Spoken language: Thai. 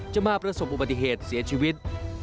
มาประสบอุบัติเหตุเสียชีวิต